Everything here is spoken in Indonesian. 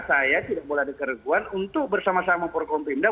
saya tidak boleh ada kereguan untuk bersama sama forkompimda